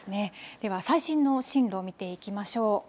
では、最新の進路を見ていきましょう。